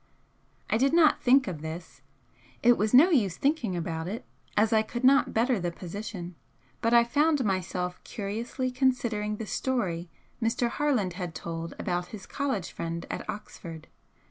I did not think of this, it was no use thinking about it as I could not better the position, but I found myself curiously considering the story Mr. Harland had told about his college friend at Oxford.